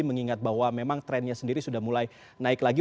mengingat bahwa memang trennya sendiri sudah mulai naik lagi